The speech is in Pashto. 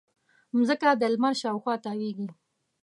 مځکه د لمر شاوخوا تاوېږي.